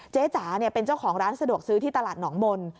จ๋าเป็นเจ้าของร้านสะดวกซื้อที่ตลาดหนองมนต์